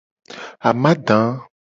Amada.